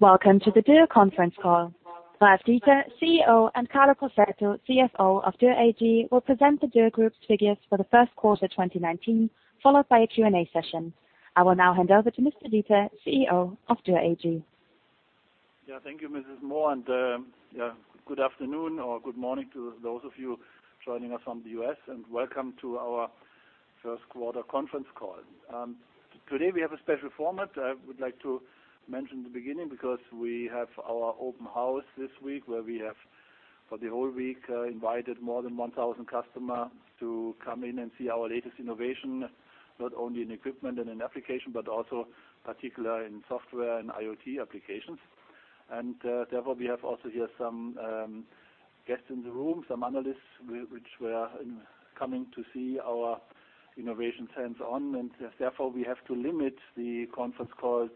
Welcome to the Dürr Conference Call. Ralf Dieter, CEO, and Carlo Crosetto, CFO of Dürr AG, will present the Dürr Group's figures for the first quarter 2019, followed by a Q&A session. I will now hand over to Mr. Dieter, CEO of Dürr AG. Yeah, thank you, Mrs. Moore, and yeah, good afternoon or good morning to those of you joining us from the U.S., and welcome to our first quarter conference call. Today we have a special format. I would like to mention at the beginning because we have our open house this week where we have for the whole week invited more than 1,000 customers to come in and see our latest innovation, not only in equipment and in application but also particularly in software and IoT applications. And therefore we have also here some guests in the room, some analysts who are coming to see our innovations hands-on, and therefore we have to limit the conference call to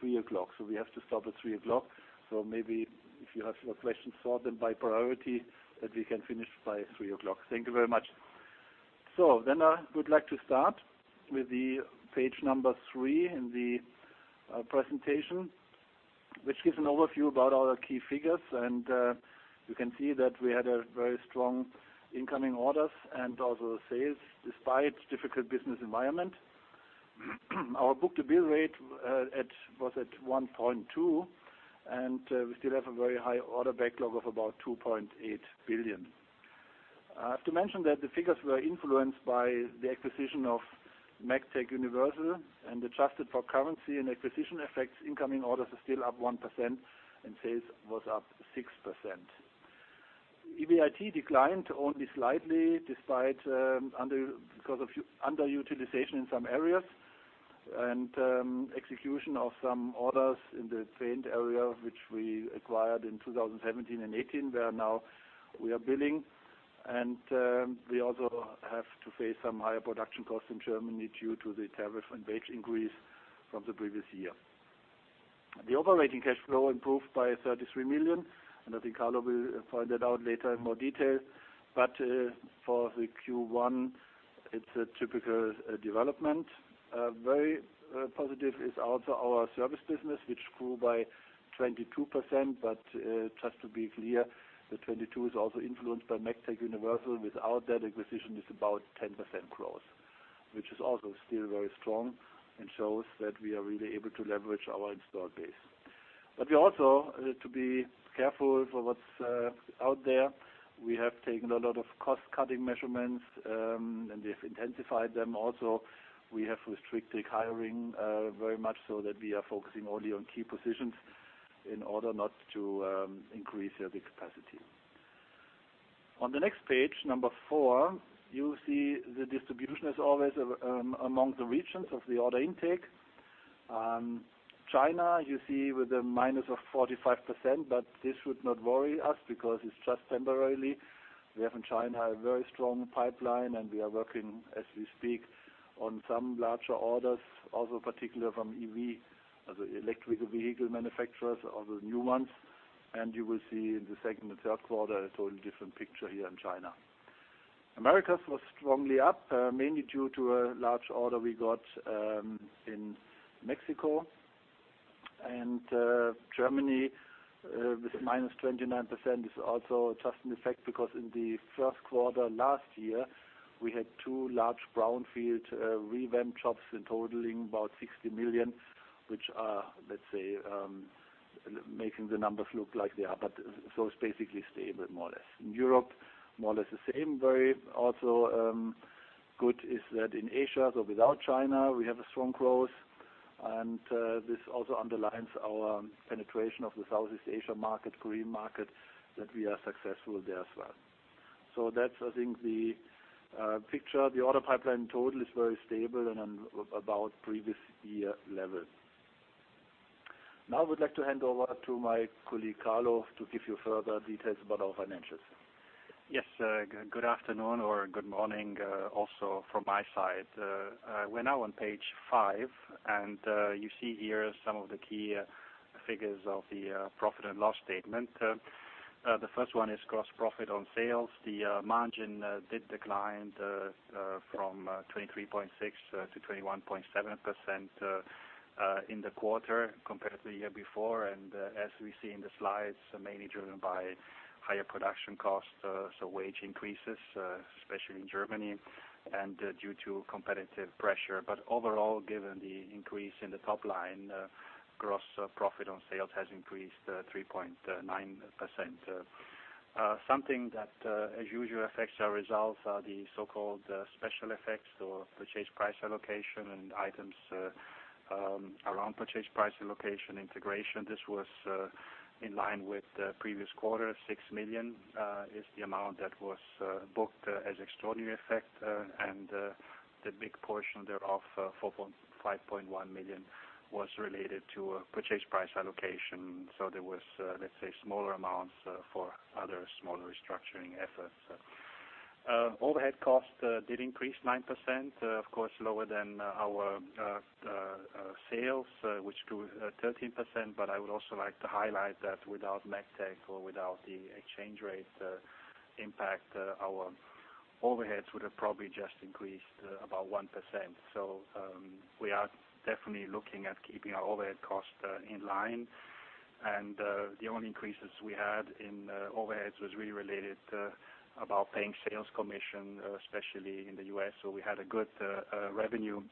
3 o'clock. So we have to stop at 3 o'clock. So maybe if you have your questions, sort them by priority that we can finish by 3 o'clock. Thank you very much. We'd like to start with the page number three in the presentation, which gives an overview about our key figures. You can see that we had a very strong incoming orders and also sales despite a difficult business environment. Our Book-to-Bill rate was at 1.2, and we still have a very high order backlog of about 2.8 billion. I have to mention that the figures were influenced by the acquisition of MEGTEC and Universal and the FX, currency and acquisition effects. Incoming orders are still up 1%, and sales was up 6%. EBIT declined only slightly despite underutilization in some areas and execution of some orders in the environmental technology area which we acquired in 2017 and 2018, where now we are billing. We also have to face some higher production costs in Germany due to the tariff and wage increase from the previous year. The operating cash flow improved by 33 million, and I think Carlo will point that out later in more detail. For the Q1, it's a typical development. Very positive is also our service business, which grew by 22%, but just to be clear, the 22 is also influenced by MEGTEC Universal. Without that acquisition, it's about 10% growth, which is also still very strong and shows that we are really able to leverage our installed base. But we also, to be careful for what's out there, we have taken a lot of cost-cutting measures, and we have intensified them. Also, we have restricted hiring, very much so that we are focusing only on key positions in order not to increase the capacity. On the next page, number four, you see the distribution is always among the regions of the order intake. China you see with a minus of 45%, but this should not worry us because it's just temporarily. We have in China a very strong pipeline, and we are working as we speak on some larger orders, also particularly from EV, also electric vehicle manufacturers, also new ones, and you will see in the second and third quarter a totally different picture here in China. America was strongly up, mainly due to a large order we got in Mexico, and Germany with minus 29% is also a trailing effect because in the first quarter last year we had two large brownfield revamped shops totaling about 60 million, which are, let's say, making the numbers look like they are, but so it's basically stable, more or less. In Europe, more or less the same. Very also, good is that in Asia, so without China, we have a strong growth, and this also underlines our penetration of the Southeast Asia market, Korean market, that we are successful there as well. So that's, I think, the picture. The order pipeline in total is very stable and on about previous year level. Now I would like to hand over to my colleague Carlo to give you further details about our financials. Yes, good afternoon or good morning, also from my side. We're now on page five, and you see here some of the key figures of the profit and loss statement. The first one is gross profit on sales. The margin did decline from 23.6% to 21.7% in the quarter compared to the year before. And as we see in the slides, mainly driven by higher production costs, so wage increases, especially in Germany, and due to competitive pressure. But overall, given the increase in the top line, gross profit on sales has increased 3.9%. Something that as usual affects our results are the so-called special effects or purchase price allocation and items around purchase price allocation integration. This was in line with the previous quarter. 6 million is the amount that was booked as extraordinary effect, and the big portion thereof, 4.51 million was related to purchase price allocation. So there was, let's say, smaller amounts for other smaller restructuring efforts. Overhead cost did increase 9%, of course lower than our sales, which grew 13%. But I would also like to highlight that without MEGTEC or without the exchange rate impact, our overheads would have probably just increased about 1%. So we are definitely looking at keeping our overhead cost in line. And the only increases we had in overheads was really related about paying sales commission, especially in the US. So we had a good revenue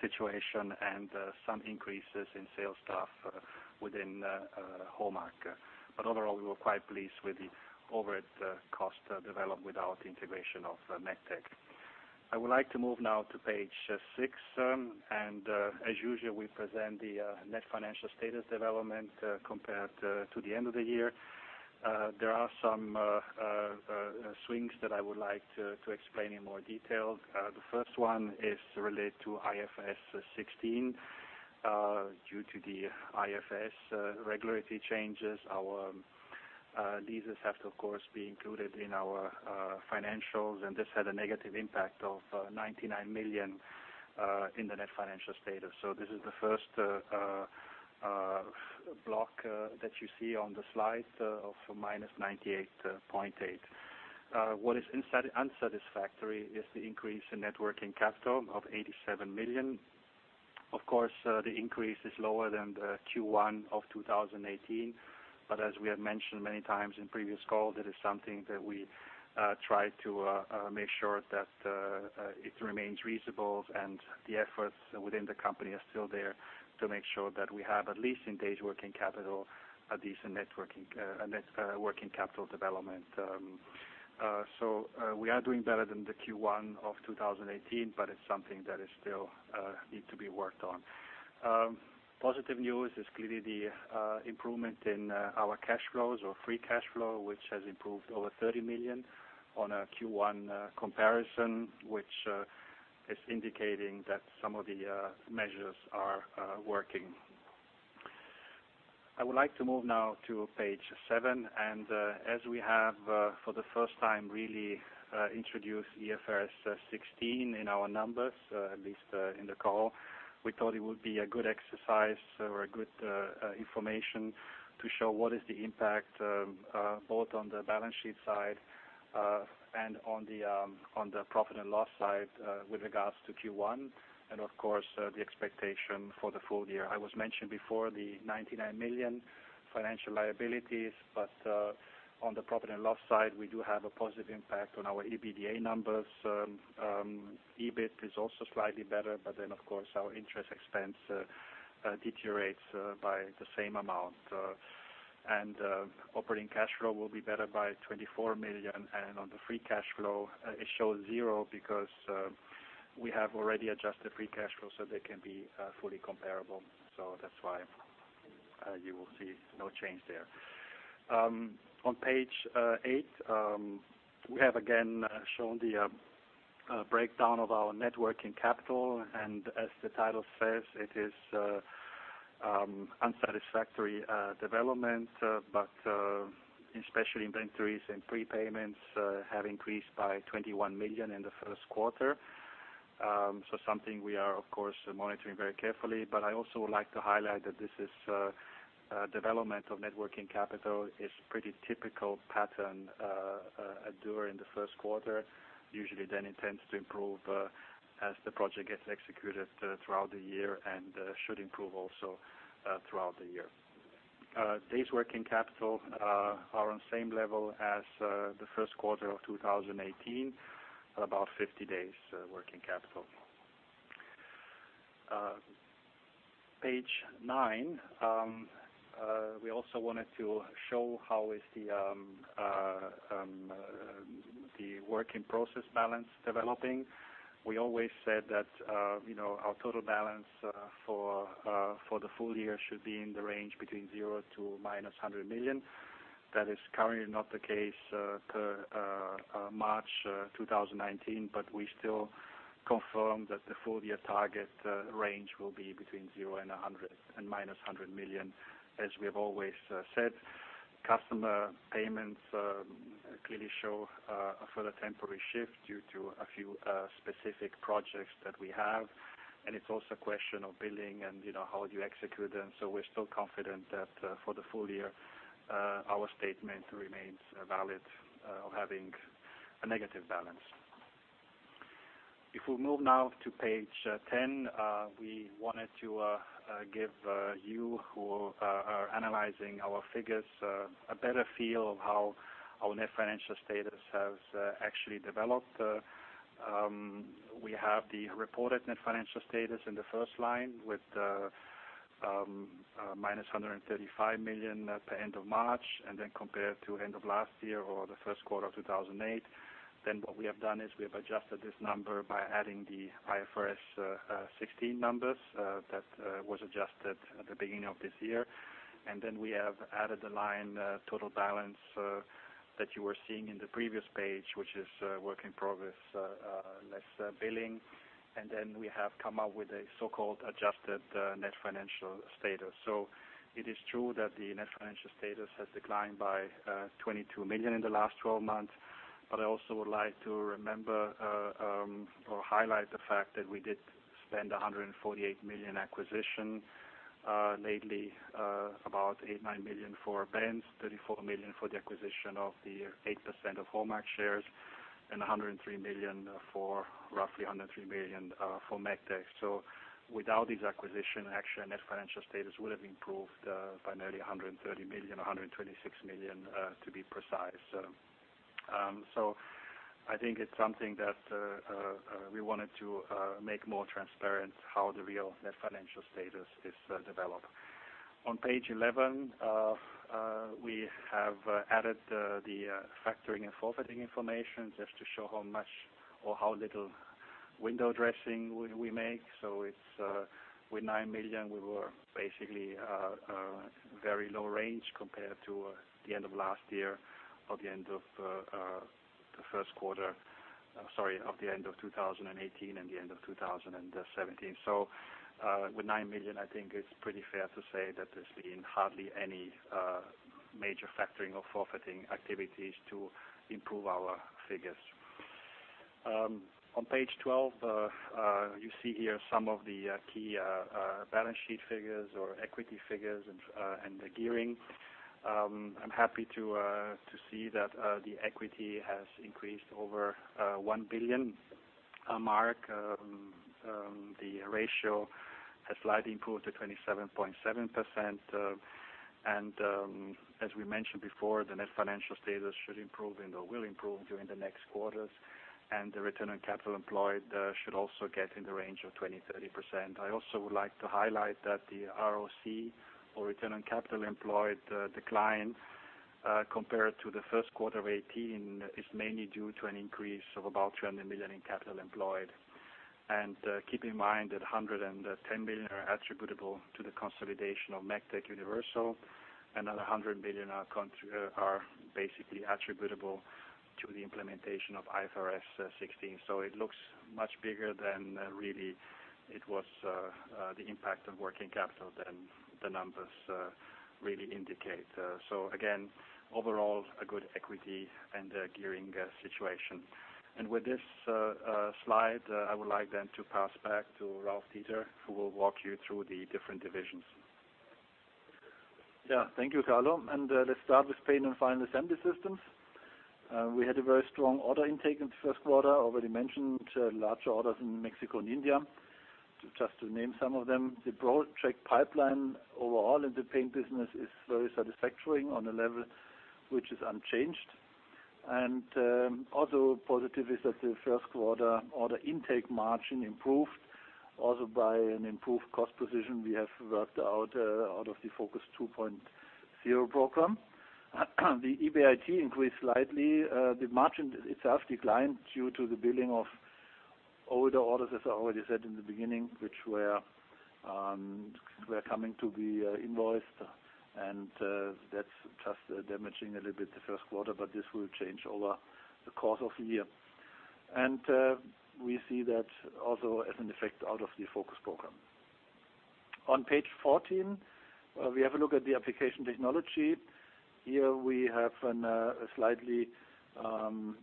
situation and some increases in sales staff within HOMAG. But overall, we were quite pleased with the overhead cost development without the integration of MEGTEC. I would like to move now to page six, and as usual, we present the net financial status development compared to the end of the year. There are some swings that I would like to explain in more detail. The first one is related to IFRS 16, due to the IFRS regulatory changes. Our leases have to, of course, be included in our financials, and this had a negative impact of 99 million in the net financial status. So this is the first block that you see on the slide, of minus 98.8 million. What is unsatisfactory is the increase in net Working Capital of 87 million. Of course, the increase is lower than the Q1 of 2018, but as we have mentioned many times in previous calls, it is something that we try to make sure that it remains reasonable and the efforts within the company are still there to make sure that we have at least in days Working Capital a decent net Working Capital development. So, we are doing better than the Q1 of 2018, but it's something that is still need to be worked on. Positive news is clearly the improvement in our cash flows or free cash flow, which has improved over 30 million on a Q1 comparison, which is indicating that some of the measures are working. I would like to move now to page seven, and as we have for the first time really introduced IFRS 16 in our numbers, at least in the call, we thought it would be a good exercise or a good information to show what is the impact, both on the balance sheet side and on the profit and loss side, with regards to Q1, and of course, the expectation for the full year. I was mentioned before the 99 million financial liabilities, but on the profit and loss side, we do have a positive impact on our EBITDA numbers. EBIT is also slightly better, but then, of course, our interest expense deteriorates by the same amount, and operating cash flow will be better by 24 million, and on the free cash flow, it shows zero because we have already adjusted free cash flow so they can be fully comparable, so that's why you will see no change there. On page eight, we have again shown the breakdown of our net working capital, and as the title says, it is unsatisfactory development, but especially inventories and prepayments have increased by 21 million in the first quarter, so something we are of course monitoring very carefully. But I also would like to highlight that this is development of net working capital is pretty typical pattern at Dürr in the first quarter. Usually then it tends to improve as the project gets executed throughout the year and should improve also throughout the year. Days working capital are on same level as the first quarter of 2018, about 50 days working capital. Page nine, we also wanted to show how is the working capital balance developing. We always said that you know our total balance for the full year should be in the range between 0 and -100 million. That is currently not the case per March 2019, but we still confirm that the full year target range will be between 0 and -100 million as we have always said. Customer payments clearly show a further temporary shift due to a few specific projects that we have, and it's also a question of billing and, you know, how do you execute them. So we're still confident that, for the full year, our statement remains valid, of having a negative balance. If we move now to page 10, we wanted to give you who are analyzing our figures a better feel of how our net financial status has actually developed. We have the reported net financial status in the first line with minus 135 million at the end of March, and then compared to end of last year or the first quarter of 2008. Then what we have done is we have adjusted this number by adding the IFRS 16 numbers that was adjusted at the beginning of this year. Then we have added the line, total balance, that you were seeing in the previous page, which is, work in progress, less, billing. Then we have come up with a so-called adjusted, net financial status. It is true that the net financial status has declined by 22 million in the last 12 months, but I also would like to remember, or highlight the fact that we did spend 148 million acquisition, lately, about 89 million for Benz, 34 million for the acquisition of the 8% of HOMAG shares, and 103 million for roughly 103 million, for MEGTEC. Without these acquisitions, actually net financial status would have improved, by nearly 130 million, 126 million, to be precise. I think it's something that, we wanted to, make more transparent how the real net financial status is, developed. On page 11, we have added the factoring and forwarding information just to show how much or how little window dressing we make. So it's with 9 million, we were basically very low range compared to the end of last year or the end of the first quarter, sorry, the end of 2018 and the end of 2017. So with 9 million, I think it's pretty fair to say that there's been hardly any major factoring or forwarding activities to improve our figures. On page 12, you see here some of the key balance sheet figures or equity figures and the gearing. I'm happy to see that the equity has increased over the 1 billion mark. The ratio has slightly improved to 27.7%. And, as we mentioned before, the net financial status should improve and will improve during the next quarters, and the return on capital employed should also get in the range of 20%-30%. I also would like to highlight that the ROC or return on capital employed decline, compared to the first quarter of 2018 is mainly due to an increase of about 300 million in capital employed. And, keep in mind that 110 million are attributable to the consolidation of MEGTEC and Universal, and another 100 million are basically attributable to the implementation of IFRS 16. So it looks much bigger than really it was, the impact of working capital than the numbers really indicate. So again, overall, a good equity and gearing situation. And with this slide, I would like then to pass back to Ralf Dieter who will walk you through the different divisions. Yeah, thank you, Carlo. And, let's start with Paint and Final Assembly Systems. We had a very strong order intake in the first quarter, already mentioned, larger orders in Mexico and India, just to name some of them. The Book-to-Bill pipeline overall in the paint business is very satisfactory on a level which is unchanged. And, also positive is that the first quarter order intake margin improved also by an improved cost position we have worked out of the FOCUS 2.0 program. The EBIT increased slightly. The margin itself declined due to the billing of older orders, as I already said in the beginning, which were coming to be invoiced. And, that's just damaging a little bit the first quarter, but this will change over the course of the year. And, we see that also as an effect out of the FOCUS program. On page 14, we have a look at the application technology. Here we have a slightly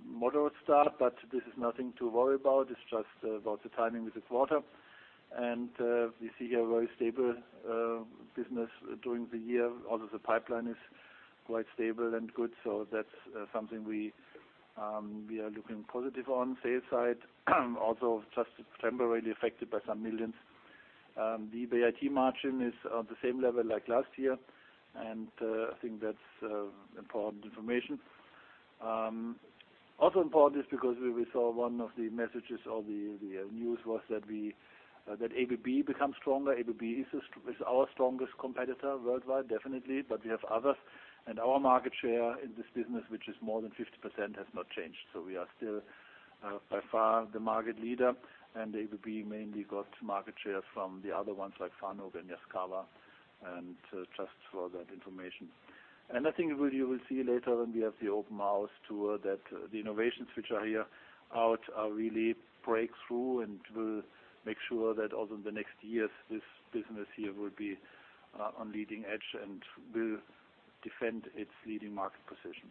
moderate start, but this is nothing to worry about. It's just about the timing with the quarter. We see here very stable business during the year. Also, the pipeline is quite stable and good, so that's something we are looking positive on sales side, also just temporarily affected by some millions. The EBIT margin is on the same level like last year, and I think that's important information. Also important is because we saw one of the messages or the news was that ABB becomes stronger. ABB is our strongest competitor worldwide, definitely, but we have others. Our market share in this business, which is more than 50%, has not changed. We are still, by far the market leader, and ABB mainly got market shares from the other ones like Fanuc and Yaskawa. And just for that information. And I think you will see later when we have the open house tour that the innovations which are here out are really breakthrough and will make sure that also in the next years this business here will be on leading edge and will defend its leading market position.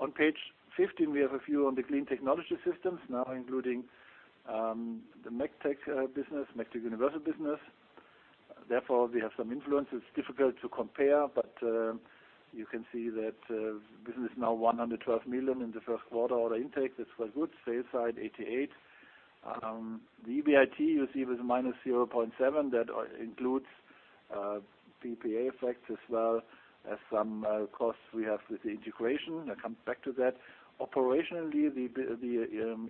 On page 15, we have a few on the Clean Technology Systems now including the MEGTEC business, MEGTEC Universal business. Therefore, we have some influences. It is difficult to compare, but you can see that business now 112 million in the first quarter order intake. That is quite good. Sales side 88 million. The EBIT you see was minus 0.7. That includes PPA effects as well as some costs we have with the integration. I'll come back to that. Operationally, the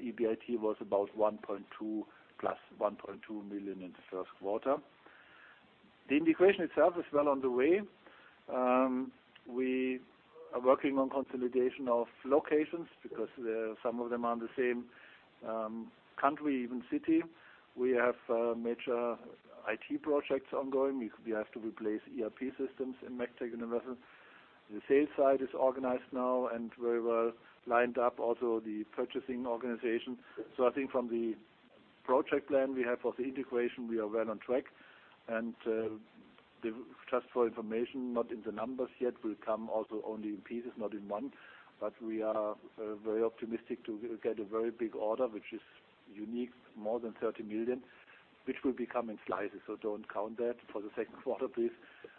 EBIT was about 1.2 plus 1.2 million in the first quarter. The integration itself is well on the way. We are working on consolidation of locations because some of them are in the same country, even city. We have major IT projects ongoing. We have to replace ERP systems in MEGTEC Universal. The sales side is organized now and very well lined up, also the purchasing organization. So I think from the project plan we have for the integration, we are well on track, and just for information, not in the numbers yet, will come also only in pieces, not in one, but we are very optimistic to get a very big order, which is unique, more than 30 million, which will come in slices. Don't count that for the second quarter, please.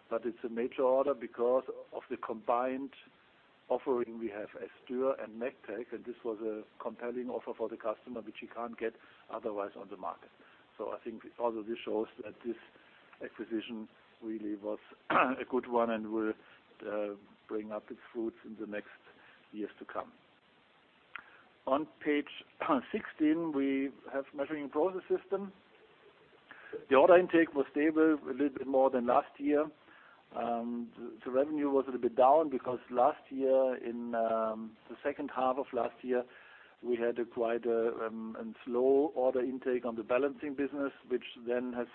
But it's a major order because of the combined offering we have as Dürr and MEGTEC, and this was a compelling offer for the customer which you can't get otherwise on the market. So I think also this shows that this acquisition really was a good one and will bear its fruits in the next years to come. On page 16, we have Measuring and Process Systems. The order intake was stable, a little bit more than last year. The revenue was a little bit down because last year in the second half of last year, we had quite a slow order intake on the balancing business, which then has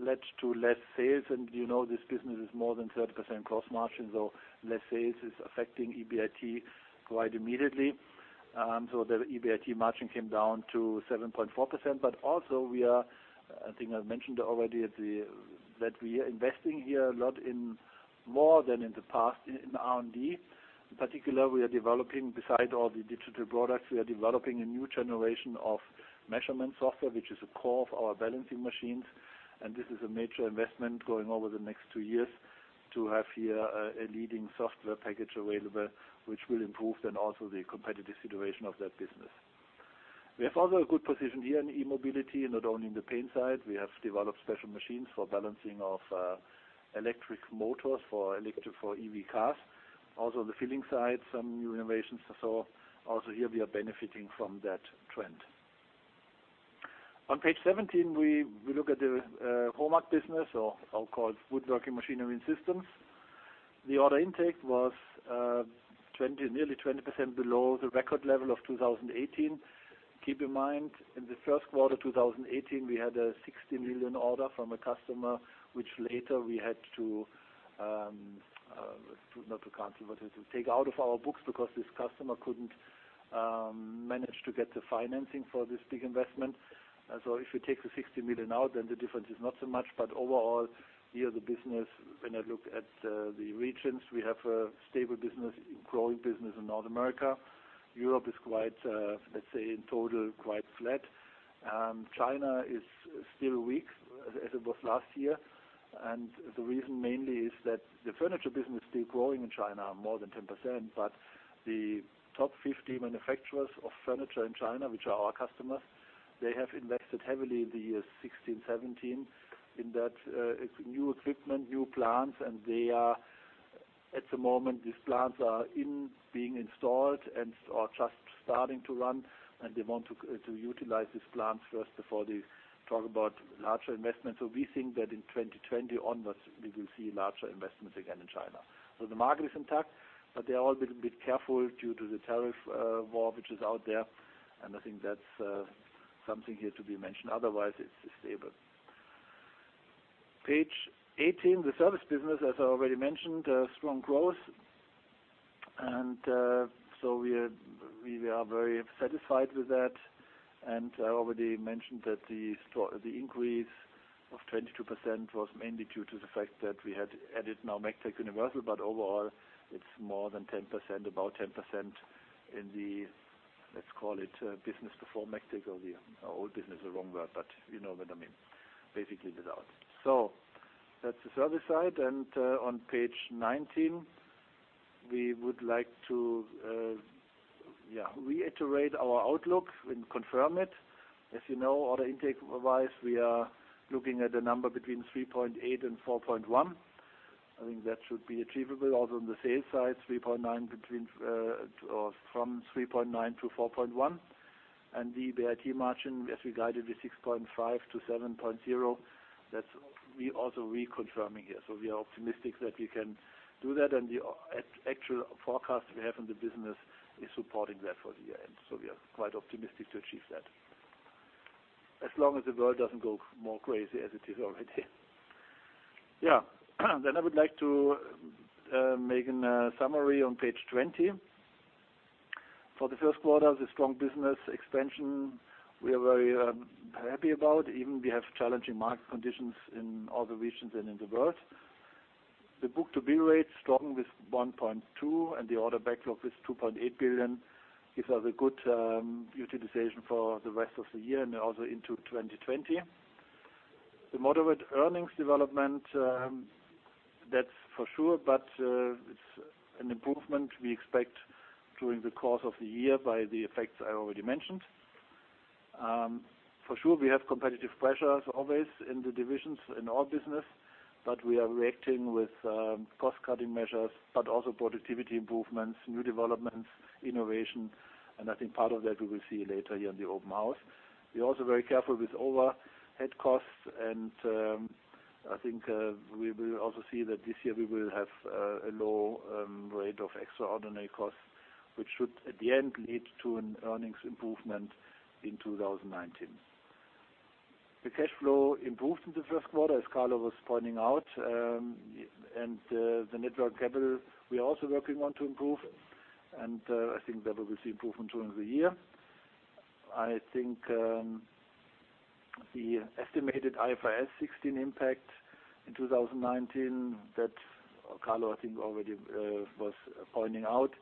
led to less sales. And you know this business is more than 30% gross margin, so less sales is affecting EBIT quite immediately. So the EBIT margin came down to 7.4%. But also we are. I think I mentioned already that we are investing here a lot, more than in the past, in R&D. In particular, we are developing, besides all the digital products, we are developing a new generation of measurement software, which is a core of our balancing machines. And this is a major investment going over the next two years to have here a leading software package available, which will improve then also the competitive situation of that business. We have also a good position here in E-Mobility, not only in the paint side. We have developed special machines for balancing of electric motors for EV cars. Also on the filling side, some new innovations are so. Also here we are benefiting from that trend. On page 17, we look at the HOMAG business, or called woodworking machinery and systems. The order intake was 20, nearly 20% below the record level of 2018. Keep in mind, in the first quarter of 2018, we had a 60 million order from a customer, which later we had to, not to cancel, but to take out of our books because this customer couldn't manage to get the financing for this big investment. So if you take the 60 million out, then the difference is not so much. But overall, here the business, when I look at the regions, we have a stable business, growing business in North America. Europe is quite, let's say in total quite flat. China is still weak as it was last year, and the reason mainly is that the furniture business is still growing in China, more than 10%. But the top 50 manufacturers of furniture in China, which are our customers, they have invested heavily in the years 2016, 2017 in that, new equipment, new plants, and they are at the moment, these plants are being installed and are just starting to run, and they want to utilize these plants first before they talk about larger investments. So we think that in 2020 onwards, we will see larger investments again in China. So the market is intact, but they are all a little bit careful due to the tariff war which is out there. And I think that's something here to be mentioned. Otherwise, it's stable. Page 18, the service business, as I already mentioned, strong growth. And so we are very satisfied with that. And I already mentioned that the increase of 22% was mainly due to the fact that we had added now MEGTEC Universal, but overall it's more than 10%, about 10% in the, let's call it, business before MEGTEC or the, old business, the wrong word, but you know what I mean. Basically without. So that's the service side. And on page 19, we would like to, yeah, reiterate our outlook and confirm it. As you know, order intake-wise, we are looking at a number between 3.8 billion and 4.1 billion. I think that should be achievable. Also on the sales side, 3.9 between, or from 3.9 billion to 4.1 billion. And the EBIT margin, as we guided with 6.5% to 7.0%, that's we also reconfirming here. So we are optimistic that we can do that. And the actual forecast we have in the business is supporting that for the year. And so we are quite optimistic to achieve that, as long as the world doesn't go more crazy as it is already. Yeah. Then I would like to make a summary on page 20. For the first quarter, the strong business expansion we are very happy about. Even we have challenging market conditions in all the regions and in the world. The Book-to-Bill rate strong with 1.2 and the order backlog with 2.8 billion gives us a good utilization for the rest of the year and also into 2020. The moderate earnings development, that's for sure, but it's an improvement we expect during the course of the year by the effects I already mentioned. For sure we have competitive pressures always in the divisions in our business, but we are reacting with cost-cutting measures, but also productivity improvements, new developments, innovation. And I think part of that we will see later here in the open house. We are also very careful with overhead costs. And I think we will also see that this year we will have a low rate of extraordinary costs, which should at the end lead to an earnings improvement in 2019. The cash flow improved in the first quarter, as Carlo was pointing out. And the net working capital we are also working on to improve. And I think that we will see improvement during the year. I think the estimated IFRS 16 impact in 2019 that Carlo I think already was pointing out.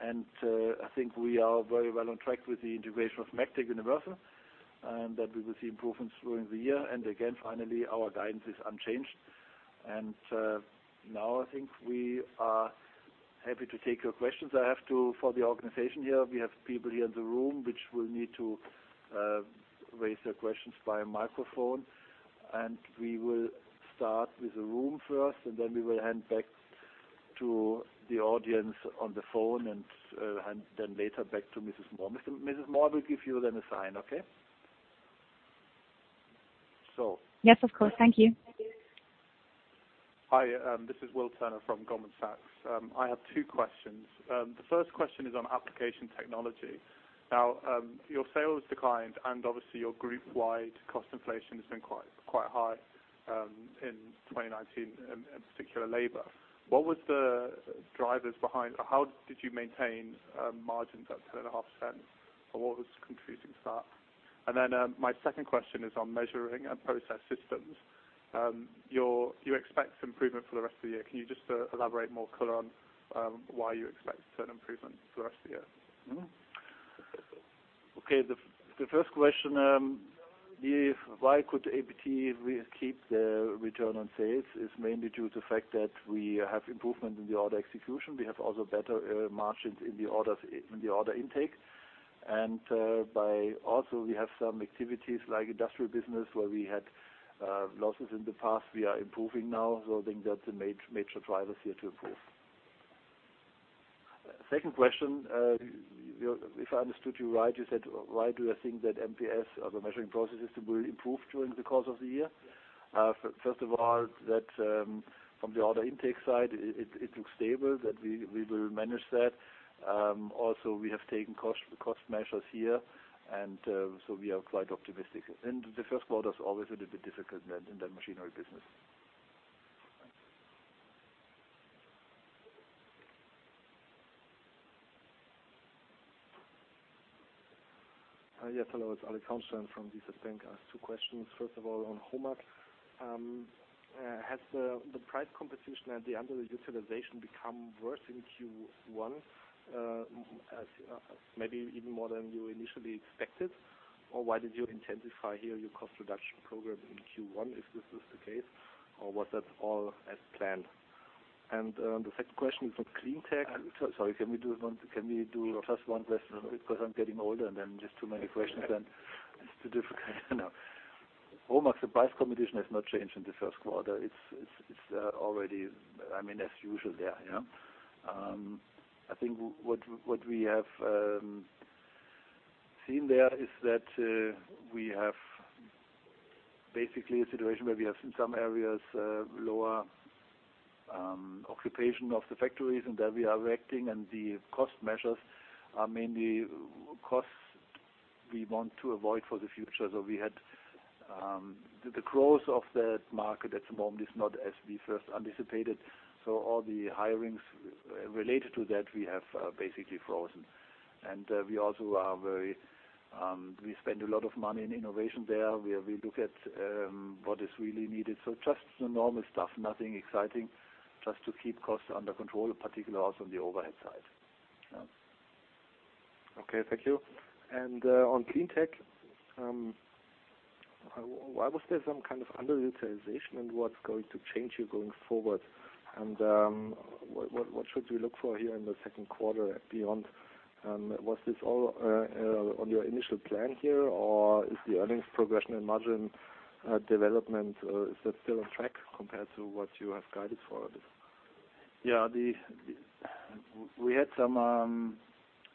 And I think we are very well on track with the integration of MEGTEC Universal and that we will see improvements during the year. And again, finally, our guidance is unchanged. And now I think we are happy to take your questions. I have to, for the organization here, we have people here in the room which will need to raise their questions by microphone, and we will start with the room first, and then we will hand back to the audience on the phone and hand then later back to Mrs. Moore. Mrs. Moore will give you then a sign, okay? So. Yes, of course. Thank you. Hi, this is Will Turner from Goldman Sachs. I have two questions. The first question is on application technology. Now, your sales declined and obviously your group-wide cost inflation has been quite, quite high, in 2019, in, in particular labor. What was the drivers behind, or how did you maintain, margins at 10.5%? Or what was contributing to that? And then, my second question is on measuring and process systems. You expect improvement for the rest of the year. Can you just, elaborate more clear on, why you expect an improvement for the rest of the year? Okay. The first question, why could APT keep the return on sales is mainly due to the fact that we have improvement in the order execution. We have also better margins in the orders, in the order intake. And we also have some activities like industrial business where we had losses in the past. We are improving now. So I think that's the major drivers here to improve. Second question, you, if I understood you right, you said, why do you think that MPS, or the measuring and process systems, will improve during the course of the year? First of all, that from the order intake side, it looks stable that we will manage that. Also we have taken cost measures here and so we are quite optimistic. The first quarter's always a little bit difficult in that machinery business. Yes, hello, it's Alexander Hauenstein from DZ Bank. I have two questions. First of all, on HOMAG, has the price competition at the end of the utilization become worse in Q1, as maybe even more than you initially expected? Or why did you intensify here your cost reduction program in Q1 if this was the case? Or was that all as planned? And the second question is on clean tech. Sorry, can we do one, can we do just one question? Because I'm getting older and then just too many questions and it's too difficult. No. HOMAG, the price competition has not changed in the first quarter. It's already, I mean, as usual there, yeah? I think what we have seen there is that we have basically a situation where we have in some areas lower occupation of the factories and that we are reacting. The cost measures are mainly costs we want to avoid for the future. The growth of that market at the moment is not as we first anticipated. All the hirings related to that we have basically frozen. We also spend a lot of money in innovation there where we look at what is really needed, so just the normal stuff, nothing exciting, just to keep costs under control, particularly also on the overhead side. Yeah. Okay, thank you. And, on clean tech, why was there some kind of underutilization and what's going to change here going forward? And, what should we look for here in the second quarter beyond? Was this all on your initial plan here or is the earnings progression and margin development still on track compared to what you have guided for this? Yeah, we had some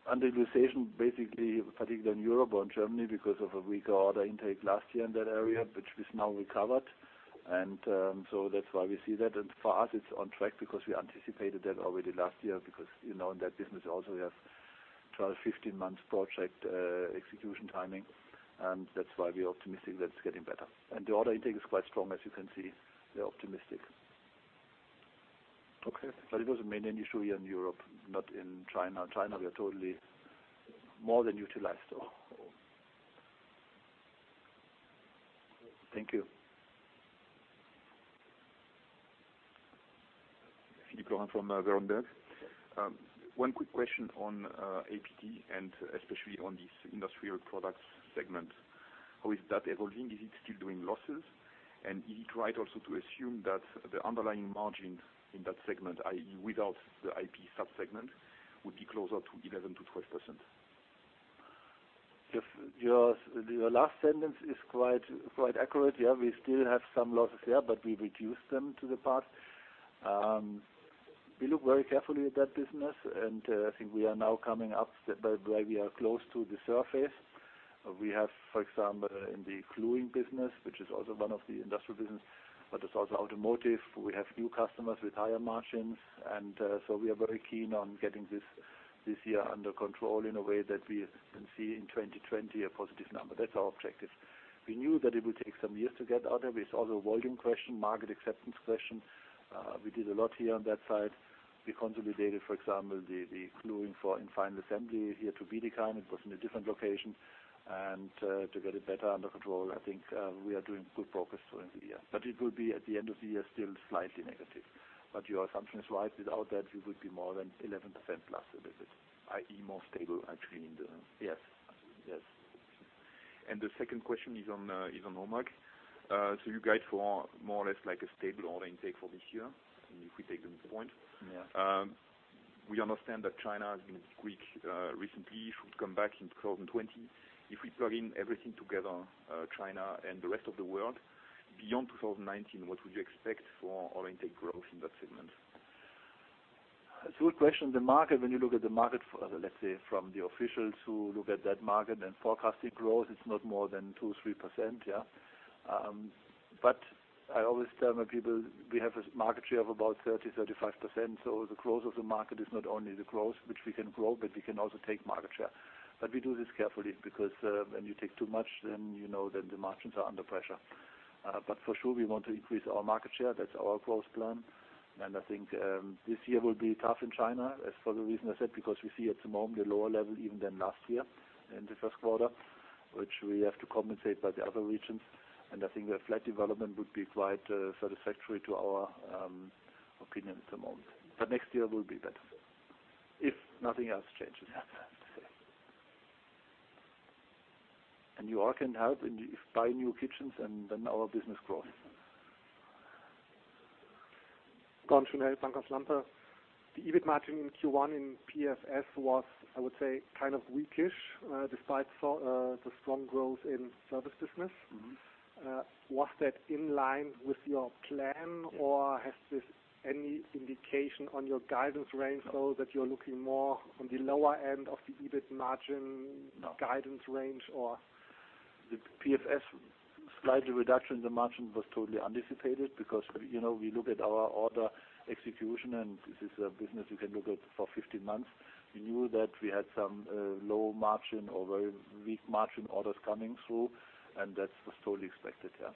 underutilization, basically particularly in Europe or in Germany because of a weaker order intake last year in that area, which we've now recovered. And, so that's why we see that. And for us, it's on track because we anticipated that already last year because, you know, in that business also we have 12-15 months project execution timing. And that's why we're optimistic that it's getting better. And the order intake is quite strong, as you can see. We're optimistic. Okay. But it was a maintained issue here in Europe, not in China. In China, we are totally more than utilized. Thank you. Philippe Lorrain from Berenberg. One quick question on APT and especially on these industrial products segment. How is that evolving? Is it still doing losses? And is it right also to assume that the underlying margin in that segment, i.e., without the IP subsegment, would be closer to 11%-12%? Yes, your last sentence is quite accurate, yeah. We still have some losses there, but we reduced them to the part. We look very carefully at that business. And I think we are now coming up. We are close to the surface. We have, for example, in the gluing business, which is also one of the industrial business, but it's also automotive. We have new customers with higher margins. And so we are very keen on getting this year under control in a way that we can see in 2020 a positive number. That's our objective. We knew that it would take some years to get out there. It's also a volume question, market acceptance question. We did a lot here on that side. We consolidated, for example, the gluing in final assembly here to Bietigheim. It was in a different location. And, to get it better under control, I think, we are doing good progress during the year. But it will be at the end of the year still slightly negative. But your assumption is right. Without that, we would be more than 11% plus a little bit, i.e., more stable actually in the yes, yes. The second question is on HOMAG. So you guide for more or less like a stable order intake for this year, if we take the point. Yeah. We understand that China has been a bit weak, recently. It should come back in 2020. If we plug in everything together, China and the rest of the world, beyond 2019, what would you expect for order intake growth in that segment? It's a good question. The market, when you look at the market, let's say from the official to look at that market and forecasted growth, it's not more than 2%-3%, yeah? But I always tell my people we have a market share of about 30%-35%. So the growth of the market is not only the growth, which we can grow, but we can also take market share. But we do this carefully because, when you take too much, then you know that the margins are under pressure. But for sure we want to increase our market share. That's our growth plan. And I think, this year will be tough in China as for the reason I said, because we see at the moment a lower level even than last year in the first quarter, which we have to compensate by the other regions. I think that flat development would be quite satisfactory to our opinion at the moment. Next year will be better if nothing else changes, I have to say. You all can help in if buying new kitchens and then our business grows. Gordon Schönell, Bankhaus Lampe. The EBIT margin in Q1 in PFS was, I would say, kind of weakish, despite the strong growth in service business. Mm-hmm. Was that in line with your plan or has this any indication on your guidance range though that you're looking more on the lower end of the EBIT margin guidance range or? The PFS slight reduction in the margin was totally anticipated because, you know, we look at our order execution and this is a business we can look at for 15 months. We knew that we had some low margin or very weak margin orders coming through. And that was totally expected, yeah.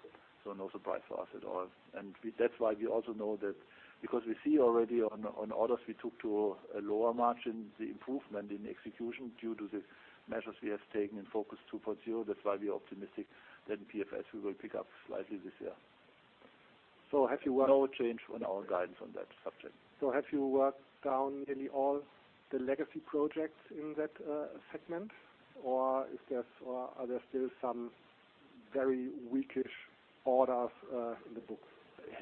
So no surprise for us at all. And that's why we also know that because we see already on orders we took to a lower margin, the improvement in execution due to the measures we have taken in FOCUS 2.0. That's why we are optimistic that in PFS we will pick up slightly this year. Have you worked? No change on our guidance on that subject. So have you worked down nearly all the legacy projects in that segment? Or is there or are there still some very weakish orders in the books?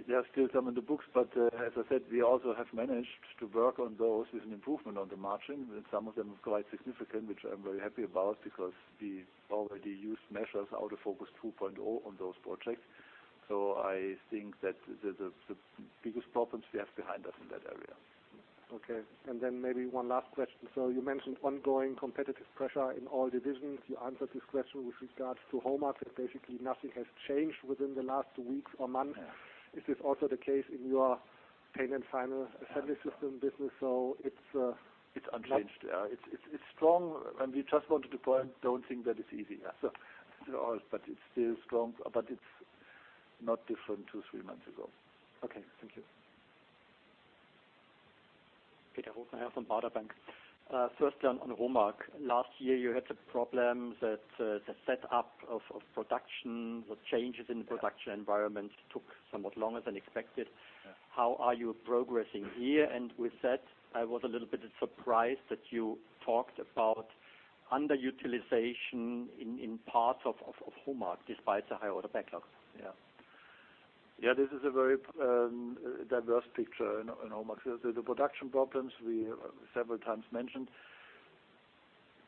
There are still some in the books, but, as I said, we also have managed to work on those with an improvement on the margin, and some of them are quite significant, which I'm very happy about because we already used measures out of FOCUS 2.0 on those projects, so I think that the biggest problems we have behind us in that area. Okay. And then maybe one last question. So you mentioned ongoing competitive pressure in all divisions. You answered this question with regards to HOMAG, that basically nothing has changed within the last weeks or months. Is this also the case in your paint and final assembly systems business? So it's, It's unchanged, yeah. It's strong. And we just wanted to point, don't think that it's easy, yeah. So it's all, but it's still strong, but it's not different to three months ago. Okay, thank you. Peter Rothenaicher from Baader Bank. First on HOMAG. Last year you had the problems that the setup of production, the changes in the production environment took somewhat longer than expected. How are you progressing here? And with that, I was a little bit surprised that you talked about underutilization in parts of HOMAG despite the high order backlog. Yeah. Yeah, this is a very diverse picture in HOMAG. The production problems we several times mentioned.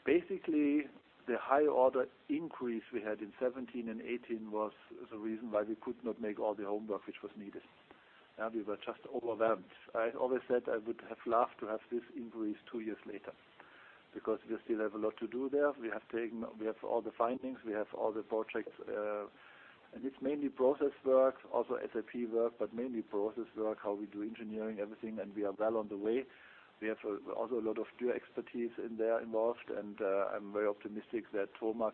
Basically, the high order increase we had in 2017 and 2018 was the reason why we could not make all the homework which was needed. Yeah, we were just overwhelmed. I always said I would have loved to have this increase two years later because we still have a lot to do there. We have taken, we have all the findings, we have all the projects, and it's mainly process work, also SAP work, but mainly process work, how we do engineering, everything, and we are well on the way. We have also a lot of new expertise in there involved, and I'm very optimistic that HOMAG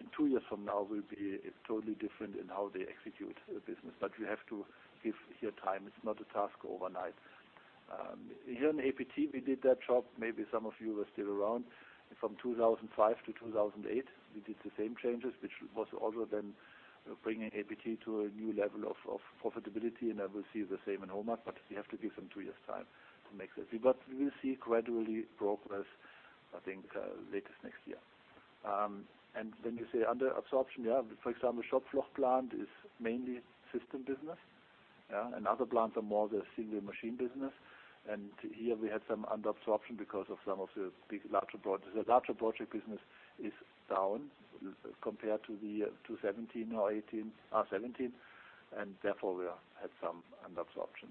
in two years from now will be totally different in how they execute the business, but we have to give here time. It's not a task overnight. Here in APT, we did that job. Maybe some of you were still around. From 2005 to 2008, we did the same changes, which was also then bringing APT to a new level of, of profitability, and I will see the same in HOMAG, but we have to give them two years' time to make that. But we will see gradually progress, I think, latest next year, and when you say under absorption, yeah, for example, Schopfloch plant is mainly system business, yeah? And other plants are more the single machine business, and here we had some under absorption because of some of the big larger projects. The larger project business is down compared to the 2017 or 2018, 2017, and therefore we have some under absorption,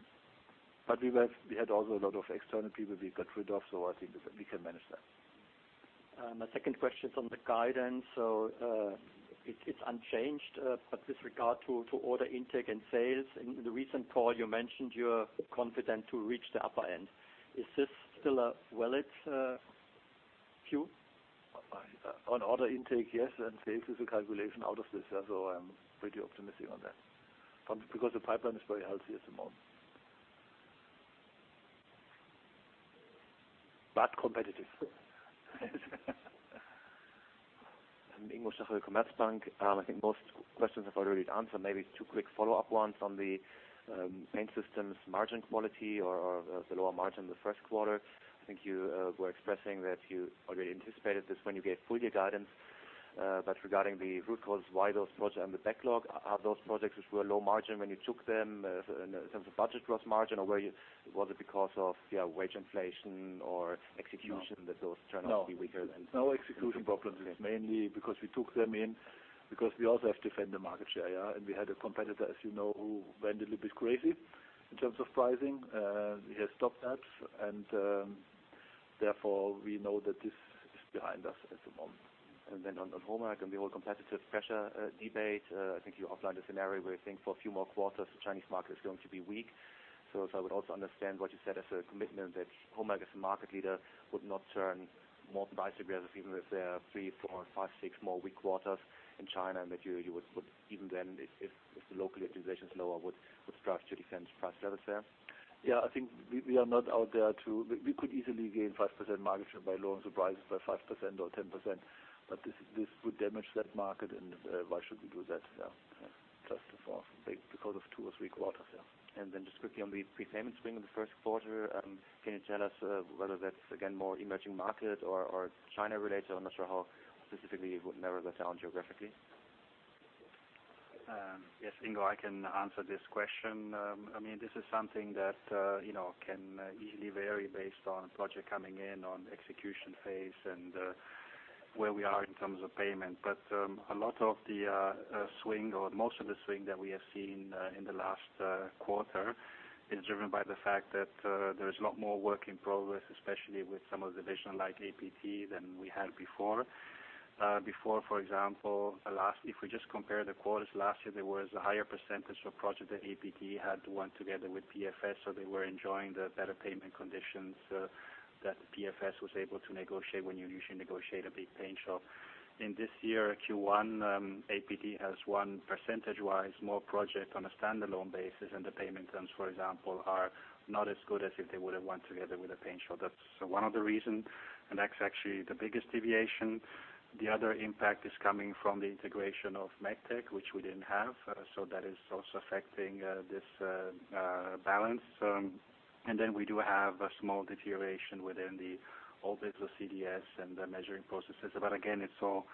but we were, we had also a lot of external people we got rid of. So I think that we can manage that. My second question is on the guidance. So, it's unchanged, but with regard to order intake and sales, in the recent call you mentioned you're confident to reach the upper end. Is this still a valid view? On order intake, yes. And sales is a calculation out of this, yeah. So I'm pretty optimistic on that. But because the pipeline is very healthy at the moment. But competitive. Ingo Schachel Commerzbank. I think most questions have already been answered. Maybe two quick follow-up ones on the paint systems, margin quality or the lower margin in the first quarter. I think you were expressing that you already anticipated this when you gave full year guidance, but regarding the root causes, why those projects and the backlog are those projects which were low margin when you took them, in terms of booked gross margin or was it because of yeah, wage inflation or execution that those turned out to be weaker than? No, no execution problems. It's mainly because we took them in because we also have to defend the market share, yeah, and we had a competitor, as you know, who went a little bit crazy in terms of pricing. We have stopped that and, therefore, we know that this is behind us at the moment. Then on HOMAG and the whole competitive pressure debate, I think you outlined a scenario where you think for a few more quarters the Chinese market is going to be weak. So I would also understand what you said as a commitment that HOMAG as a market leader would not turn more vicious even if there are three, four, five, six more weak quarters in China and that you would even then, if the local utilization is lower, would strive to defend price levels there? Yeah, I think we are not out there to. We could easily gain 5% margin by lowering the prices by 5% or 10%. But this would damage that market and why should we do that? Yeah. Yeah. Just for because of two or three quarters, yeah. Then just quickly on the prepayment spike in the first quarter, can you tell us whether that's again more emerging market or China related? I'm not sure how specifically it would narrow that down geographically. Yes, Ingo, I can answer this question. I mean, this is something that, you know, can easily vary based on project coming in, on execution phase, and where we are in terms of payment. But a lot of the swing or most of the swing that we have seen in the last quarter is driven by the fact that there is a lot more work in progress, especially with some of the divisions like APT than we had before. Before, for example, last year if we just compare the quarters last year, there was a higher percentage of projects that APT had to work together with PFS. So they were enjoying the better payment conditions that PFS was able to negotiate when you usually negotiate a big paint. In this year, Q1, APT has won percentage-wise more projects on a standalone basis and the payment terms, for example, are not as good as if they would have worked together with a paint. That's one of the reasons, and that's actually the biggest deviation. The other impact is coming from the integration of MEGTEC, which we didn't have, so that is also affecting this balance, and then we do have a small deterioration within the all digital CTS and the measuring processes. But again, it's all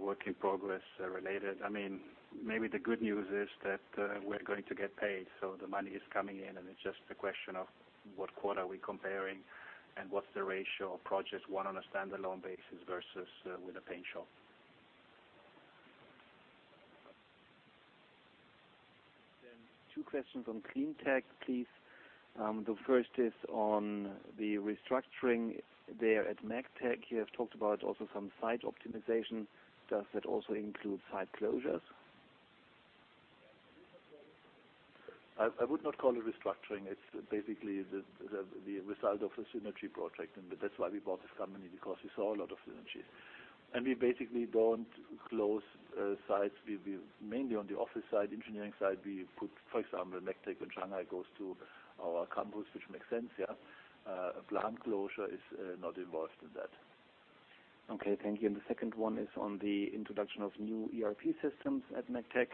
work in progress related. I mean, maybe the good news is that we're going to get paid. The money is coming in and it's just a question of what quarter are we comparing and what's the ratio of projects won on a standalone basis versus with a paint shop. Then two questions on CleanTech, please. The first is on the restructuring there at MEGTEC. You have talked about also some site optimization. Does that also include site closures? I would not call it restructuring. It's basically the result of a synergy project. And that's why we bought this company because we saw a lot of synergies. And we basically don't close sites. We mainly on the office side, engineering side, we put, for example, MEGTEC in Shanghai goes to our campus, which makes sense, yeah? A plant closure is not involved in that. Okay, thank you. And the second one is on the introduction of new ERP systems at MEGTEC.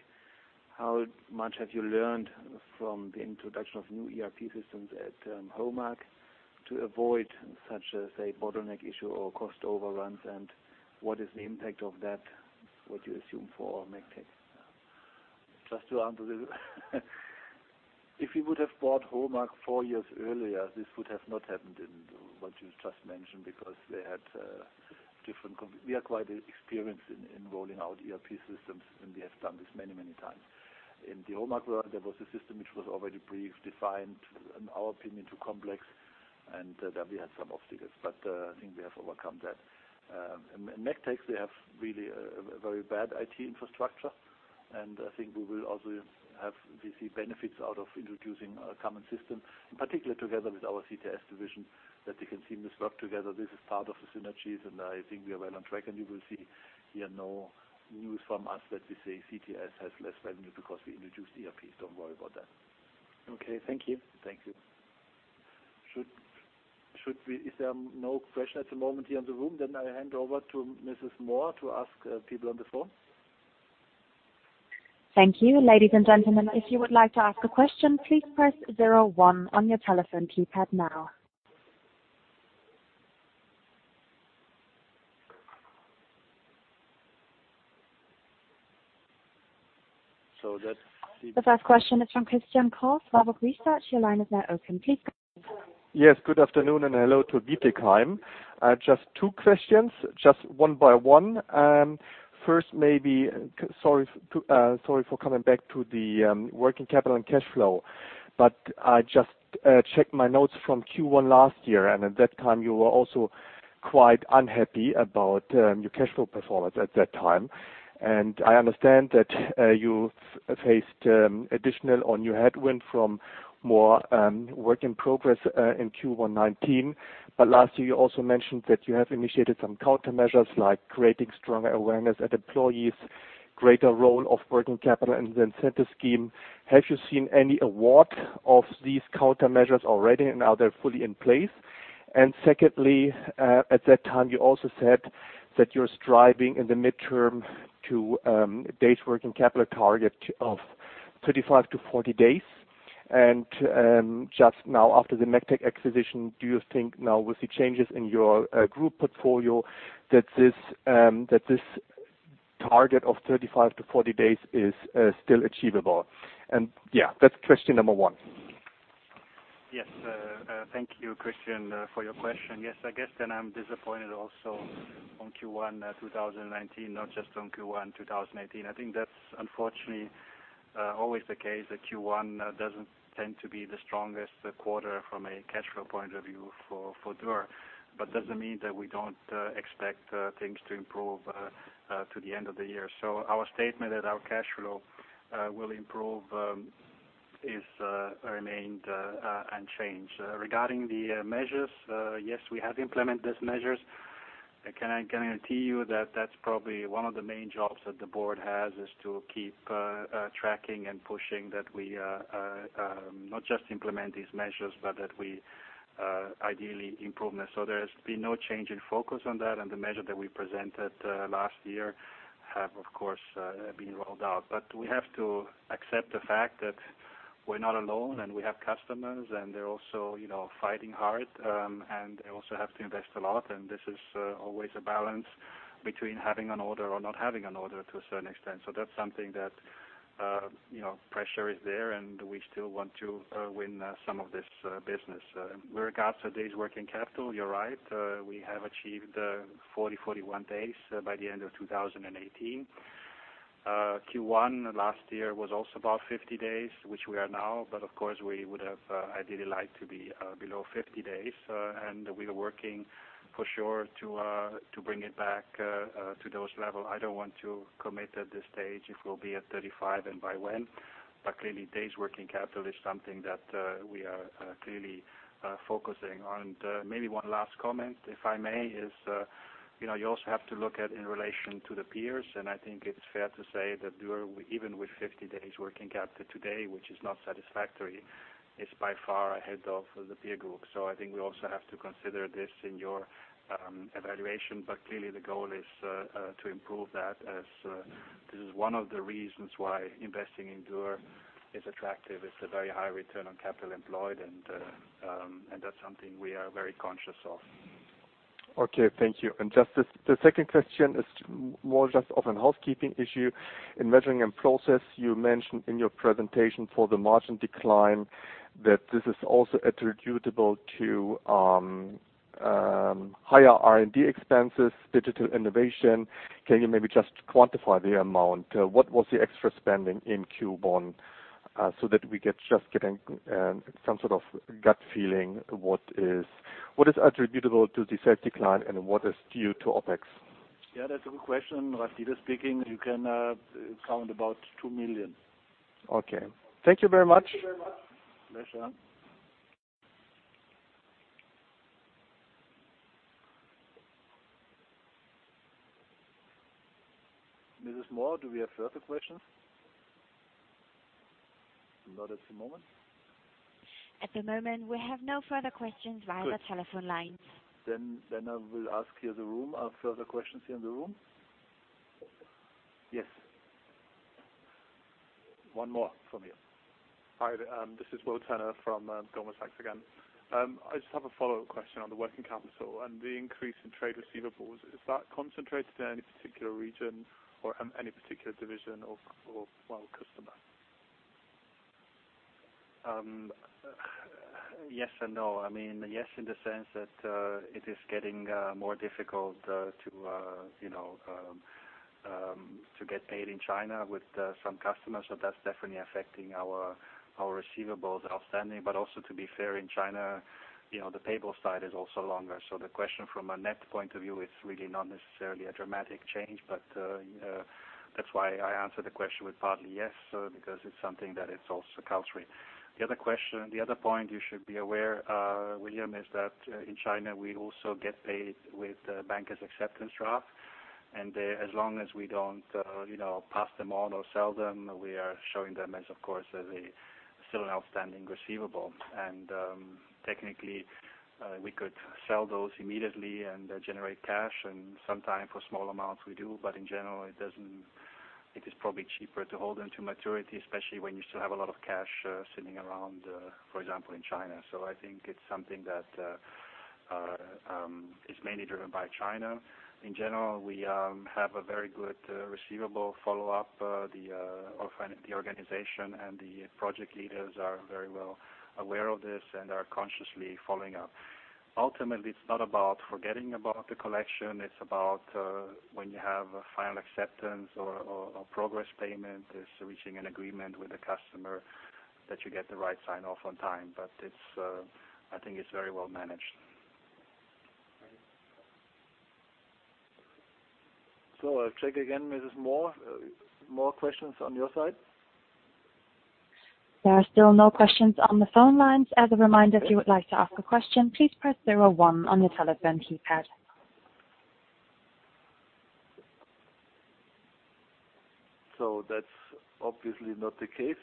How much have you learned from the introduction of new ERP systems at HOMAG to avoid such a, say, bottleneck issue or cost overruns? And what is the impact of that, what you assume for MEGTEC? Just to answer this, if we would have bought HOMAG four years earlier, this would have not happened in what you just mentioned because they had different company we are quite experienced in rolling out ERP systems and we have done this many, many times. In the HOMAG world, there was a system which was already predefined, in our opinion, too complex. That we had some obstacles. But I think we have overcome that. In MEGTEC, they have really a very bad IT infrastructure. And I think we will also have. We see benefits out of introducing a common system, in particular together with our CTS division, that they can seamless work together. This is part of the synergies and I think we are well on track. You will see here no news from us that we say CTS has less value because we introduced ERPs. Don't worry about that. Okay, thank you. Thank you. Should we? Is there no question at the moment here in the room? Then I hand over to Mrs. Moore to ask people on the phone. Thank you, ladies and gentlemen. If you would like to ask a question, please press 01 on your telephone keypad now. So that's. The first question is from Christian Cohrs, Warburg Research. Your line is now open. Please go. Yes, good afternoon and hello to Bietigheim. Just two questions, just one by one. First maybe, sorry for coming back to the working capital and cash flow. But I just checked my notes from Q1 last year and at that time you were also quite unhappy about your cash flow performance at that time. And I understand that you faced additional or new headwind from more work in progress in Q1 2019. But last year you also mentioned that you have initiated some countermeasures like creating stronger awareness at employees, greater role of working capital in the incentive scheme. Have you seen any effect of these countermeasures already and are they fully in place? And secondly, at that time you also said that you're striving in the medium term to days working capital target of 35 to 40 days. Just now after the MEGTEC acquisition, do you think now with the changes in your group portfolio that this target of 35-40 days is still achievable? And yeah, that's question number one. Yes, thank you, Christian, for your question. Yes, I guess then I'm disappointed also on Q1 2019, not just on Q1 2018. I think that's unfortunately always the case that Q1 doesn't tend to be the strongest quarter from a cash flow point of view for Dürr. But that doesn't mean that we don't expect things to improve to the end of the year. So our statement that our cash flow will improve has remained unchanged. Regarding the measures, yes, we have implemented those measures. I can guarantee you that that's probably one of the main jobs that the board has is to keep tracking and pushing that we not just implement these measures but that we ideally improve them. So there has been no change in focus on that. And the measures that we presented last year have of course been rolled out. But we have to accept the fact that we're not alone and we have customers and they're also, you know, fighting hard, and they also have to invest a lot, and this is always a balance between having an order or not having an order to a certain extent, so that's something that, you know, pressure is there and we still want to win some of this business. With regards to days working capital, you're right. We have achieved 40, 41 days by the end of 2018. Q1 last year was also about 50 days, which we are now, but of course we would have ideally liked to be below 50 days, and we are working for sure to bring it back to those levels. I don't want to commit at this stage if we'll be at 35 and by when. But clearly, days working capital is something that we are clearly focusing on. Maybe one last comment, if I may, is you know, you also have to look at in relation to the peers. And I think it's fair to say that Dürr, even with 50 days working capital today, which is not satisfactory, is by far ahead of the peer group. So I think we also have to consider this in your evaluation. But clearly the goal is to improve that as this is one of the reasons why investing in Dürr is attractive. It's a very high return on capital employed and that's something we are very conscious of. Okay, thank you. And just this, the second question is more just of a housekeeping issue. In measuring and process, you mentioned in your presentation for the margin decline that this is also attributable to higher R&D expenses, digital innovation. Can you maybe just quantify the amount? What was the extra spending in Q1, so that we get some sort of gut feeling what is attributable to the safety client and what is due to OpEx? Yeah, that's a good question. Ralf Dieter speaking, you can count about 2 million. Okay. Thank you very much. Thank you very much. Pleasure. Mrs. Moore, do we have further questions? Not at the moment. At the moment we have no further questions via the telephone lines. Then I will ask here in the room, further questions here in the room? Yes. One more from you. Hi, this is William Turner from Goldman Sachs again. I just have a follow-up question on the working capital and the increase in trade receivables. Is that concentrated in any particular region or any particular division or well, customer? Yes and no. I mean, yes in the sense that it is getting more difficult to you know to get paid in China with some customers. So that's definitely affecting our receivables outstanding. But also to be fair, in China, you know, the payable side is also longer. So the question from a net point of view is really not necessarily a dramatic change. But that's why I answered the question with partly yes, because it's something that is also culturally. The other point you should be aware, William, is that in China we also get paid with bankers' acceptance draft. And as long as we don't you know pass them on or sell them, we are showing them as of course as still an outstanding receivable. And technically we could sell those immediately and generate cash. And sometimes for small amounts we do. But in general, it is probably cheaper to hold them to maturity, especially when you still have a lot of cash sitting around, for example, in China. So I think it's something that is mainly driven by China. In general, we have a very good receivable follow-up. The organization and the project leaders are very well aware of this and are consciously following up. Ultimately, it's not about forgetting about the collection. It's about when you have a final acceptance or progress payment, it's reaching an agreement with the customer that you get the right sign-off on time. But it's, I think it's very well managed. Thank you. So I'll check again, Mrs. Moore. More questions on your side? There are still no questions on the phone lines. As a reminder, if you would like to ask a question, please press 01 on the telephone keypad. So that's obviously not the case.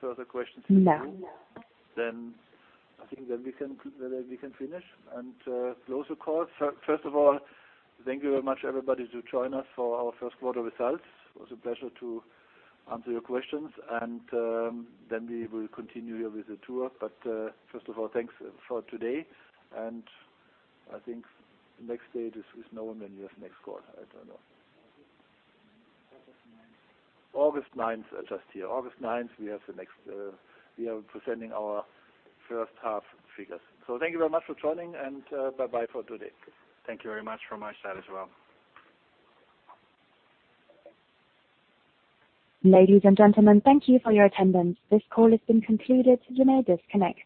Further questions in the room? No. Then I think that we can finish and close the call. First of all, thank you very much, everybody, for joining us for our first quarter results. It was a pleasure to answer your questions. And then we will continue here with the tour. But first of all, thanks for today. And I think the next date is not known for the next call. I don't know. August 9th. August 9th, just here. August 9th we have the next, we are presenting our first half figures. So thank you very much for joining and, bye-bye for today. Thank you very much from my side as well. Ladies and gentlemen, thank you for your attendance. This call has been concluded. You may disconnect.